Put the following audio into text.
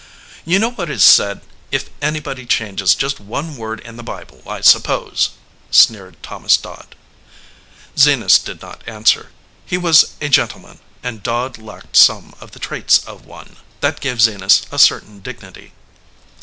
"You know what is said if anybody changes just one word in the Bible, I suppose," sneered Thomas Dodd. Zenas did not answer. He was a gentleman, and Dodd lacked some of the traits of one. That gave Zenas a certain dignity.